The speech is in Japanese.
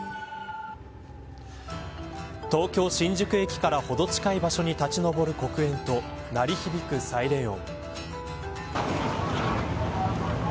東京、新宿駅からほど近い場所に立ち上る黒煙と鳴り響くサイレン音。